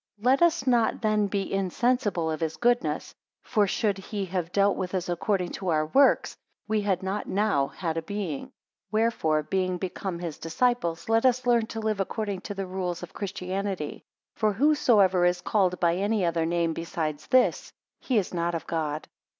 7 Let us not then be insensible of his goodness; for should he have dealt with us according to our works, we had not now had a being. 8 Wherefore being become his disciples, let us learn to live according to the rules of Christianity; for whosoever is called by any other name besides this, he is not of God.